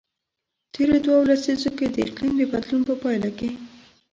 تیرو دوو لسیزو کې د اقلیم د بدلون په پایله کې.